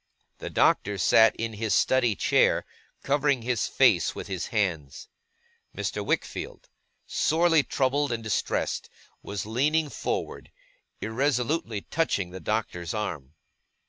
The Doctor sat in his study chair, covering his face with his hands. Mr. Wickfield, sorely troubled and distressed, was leaning forward, irresolutely touching the Doctor's arm.